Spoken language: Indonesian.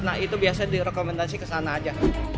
nah itu biasanya direkomendasi kesana aja